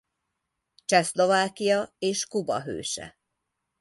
Csehszlovákia és Kuba hőse.